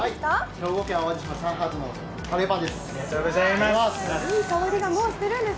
兵庫県・サンハートのカレーパンです。